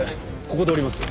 ここで降ります。